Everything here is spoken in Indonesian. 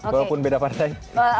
walaupun beda partai